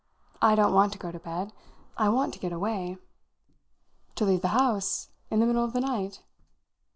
I don't want to go to bed. I want to get away." "To leave the house in the middle of the night?"